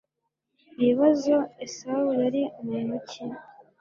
ibibazo esawu yari muntu ki